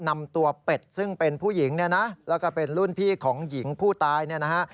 นำตัวเป็ดซึ่งเป็นผู้หญิงเนี่ยนะแล้วก็เป็นรุ่นพี่ของหญิงผู้ตายเนี่ยนะฮะ